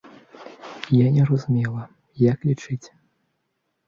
Я не разумела, як лічыць.